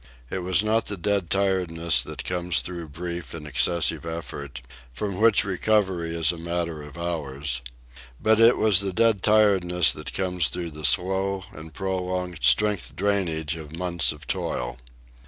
It was not the dead tiredness that comes through brief and excessive effort, from which recovery is a matter of hours; but it was the dead tiredness that comes through the slow and prolonged strength drainage of months of toil.